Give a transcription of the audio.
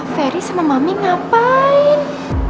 feri sama mami ngapain